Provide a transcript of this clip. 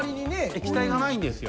液体がないんですよ。